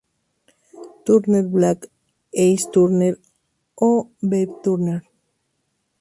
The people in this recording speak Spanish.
Turner, Black Ace Turner o Babe Turner.